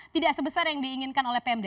tidak sebesar yang diinginkan oleh pmd